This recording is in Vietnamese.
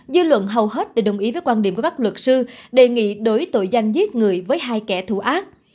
dư luận hầu hết đều đồng ý với quan điểm của các luật sư đề nghị đối tội danh giết người với hai kẻ thù ác